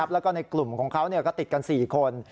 แล้วก็ในกลุ่มของเขาก็ติดกัน๔คน